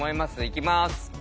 いきます。